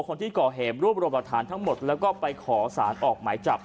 คนที่ก่อเหตุรวบรวมหลักฐานทั้งหมดแล้วก็ไปขอสารออกหมายจับ